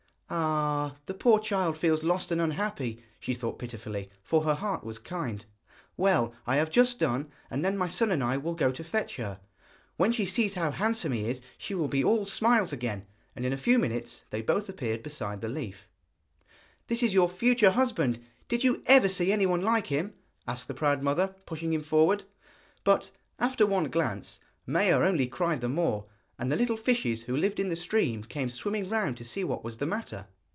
'Ah! the poor child feels lost and unhappy,' she thought pitifully, for her heart was kind. 'Well, I have just done, and then my son and I will go to fetch her. When she sees how handsome he is she will be all smiles again.' And in a few minutes they both appeared beside the leaf. 'This is your future husband. Did you ever see anyone like him?' asked the proud mother, pushing him forward. But, after one glance, Maia only cried the more; and the little fishes who lived in the stream came swimming round to see what was the matter.